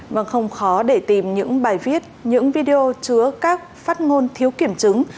vâng không khó để tìm những bài viết những video chứa các phát ngôn thiếu kiểm chứng